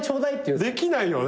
できないよね。